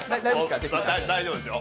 大丈夫ですよ。